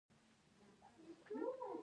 خپلې اوبه بې ځایه مه مصرفوئ.